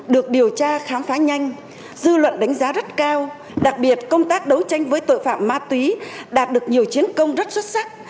được điều tra khám phá nhanh dư luận đánh giá rất cao đặc biệt công tác đấu tranh với tội phạm ma túy đạt được nhiều chiến công rất xuất sắc